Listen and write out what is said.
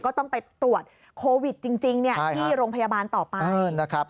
ก็ต้องไปตรวจโควิดจริงที่โรงพยาบาลต่อไปนะครับ